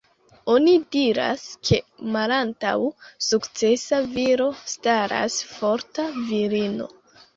Oni diras, ke malantaŭ sukcesa viro staras forta virino.